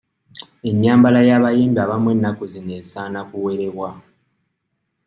Ennyambala y'abayimbi abamu ennaku zino esaana kuwerebwa.